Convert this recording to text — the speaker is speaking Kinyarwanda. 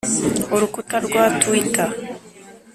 urukuta.rwa tuwita